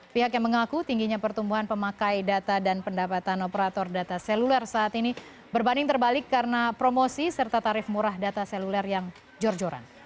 pihak yang mengaku tingginya pertumbuhan pemakai data dan pendapatan operator data seluler saat ini berbanding terbalik karena promosi serta tarif murah data seluler yang jor joran